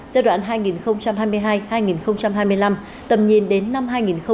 giai đoạn hai nghìn hai mươi hai hai nghìn hai mươi năm tầm nhìn đến năm hai nghìn ba mươi